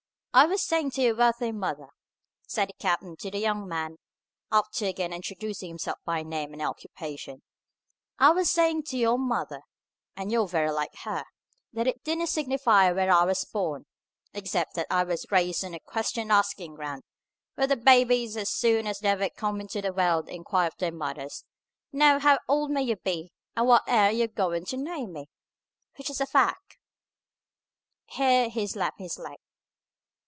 "I was saying to your worthy mother," said the captain to the young man, after again introducing himself by name and occupation, "I was saying to your mother (and you're very like her) that it didn't signify where I was born, except that I was raised on question asking ground, where the babies as soon as ever they come into the world, inquire of their mothers, 'Neow, how old may you be, and wa'at air you a goin' to name me?' which is a fact." Here he slapped his leg.